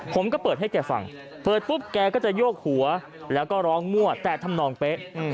ผมก็เปิดให้แกฟังเปิดปุ๊บแกก็จะโยกหัวแล้วก็ร้องมั่วแต่ทำนองเป๊ะ